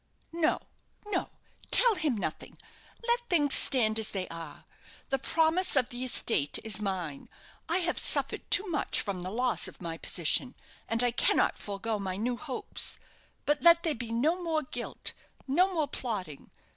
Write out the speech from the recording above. "No, no; tell him nothing. Let things stand as they are. The promise of the estate is mine. I have suffered too much from the loss of my position, and I cannot forego my new hopes. But let there be no more guilt no more plotting.